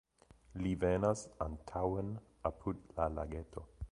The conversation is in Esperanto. Li venas antaŭen apud la lageto.